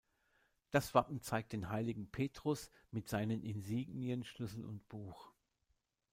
Das Wappen zeigt den heiligen Petrus mit seinen Insignien Schlüssel und Buch.